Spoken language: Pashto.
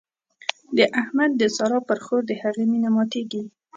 د احمد د سارا پر خور د هغې مينه ماتېږي.